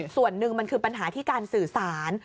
ส่วนหนึ่งมันคือปัญหาที่การสื่อสาร